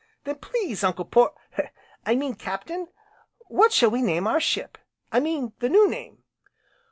"Then please, Uncle Por I mean Captain, what shall we name our ship, I mean the new name?"